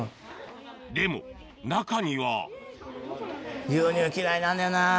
でも中には牛乳嫌いなんだよなぁ